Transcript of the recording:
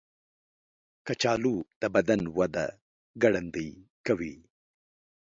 کچالو د بدن وده ګړندۍ کوي.